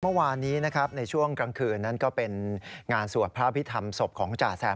เมื่อวานนี้นะครับในช่วงกลางคืนนั้นก็เป็นงานสวดพระพิธรรมศพของจ่าแซม